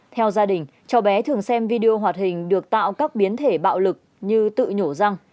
theo gia đình cháu bé thường xem video hoạt hình được tạo các biến thể bạo lực như tự nhổ răng